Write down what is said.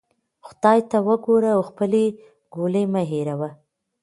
خدای ته وګوره او خپلې ګولۍ مه هیروه.